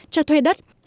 cho thuê đất